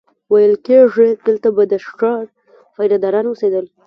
ویل کېږي دلته به د ښار پیره داران اوسېدل.